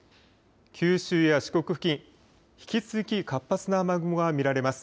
九州や四国付近、引き続き活発な雨雲が見られます。